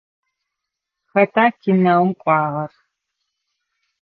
Хэта кинэум кӏуагъэр?